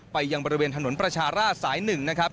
ยังบริเวณถนนประชาราชสาย๑นะครับ